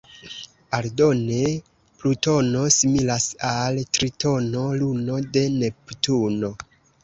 Aldone, Plutono similas al Tritono, luno de Neptuno.